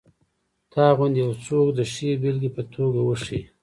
تا غوندې یو څوک د ښې بېلګې په توګه وښیي.